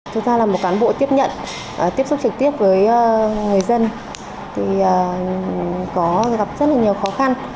chúng ta là một cán bộ tiếp nhận tiếp xúc trực tiếp với người dân thì có gặp rất là nhiều khó khăn